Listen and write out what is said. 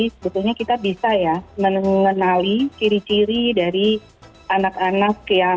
sebetulnya kita bisa ya mengenali ciri ciri dari anak anak yang